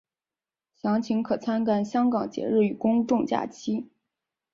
详情可参看香港节日与公众假期。